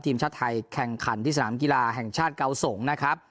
ทีมชาติไทยแข่งขันที่สนามกีฬาแห่งชาติเกาสงนะครับ